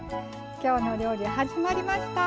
「きょうの料理」始まりました。